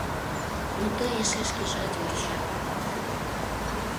Но тый эше шкежат йоча улат.